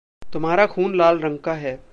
तुम्हारा ख़ून लाल रंग का है।